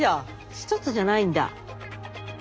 １つじゃないんだ。